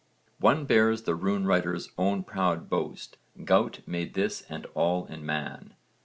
One bears the rune writer's own proud boast 'Gaut made this and all in Man.'